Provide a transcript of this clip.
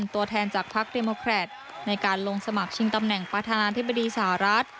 ตัวแทนจากพักเดโมแครตในการลงสมัครชิงตำแหน่งประธานาธิบดีสหรัฐ